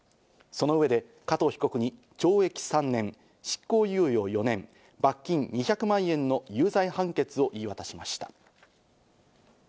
その上で、加藤被告に懲役３年、執行猶予４年、罰金２００万円の有罪判決を言い渡しました。